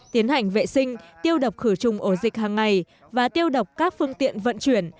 tiến hành vệ sinh tiêu độc khử trùng ổ dịch hàng ngày và tiêu độc các phương tiện vận chuyển